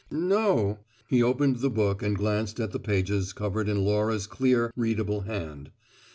"No." He opened the book and glanced at the pages covered in Laura's clear, readable hand.